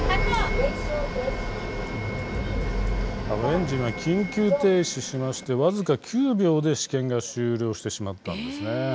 エンジンは緊急停止しまして、僅か９秒で試験が終了してしまったんです。